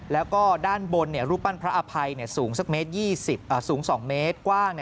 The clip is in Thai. แล้วก็ด้านบนรูปปั้นพระอภัยสูงสักสูง๒เมตรกว้าง